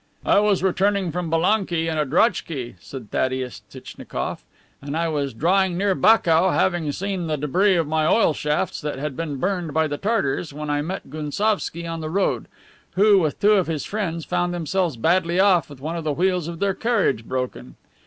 "I was returning from Balakani in a drojki," said Thaddeus Tchitchnikoff, "and I was drawing near Bakou after having seen the debris of my oil shafts that had been burned by the Tartars, when I met Gounsovski in the road, who, with two of his friends, found themselves badly off with one of the wheels of their carriage broken.